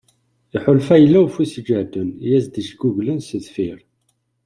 Iḥulfa yella ufus iǧehden i yas-d-ijguglen si deffir.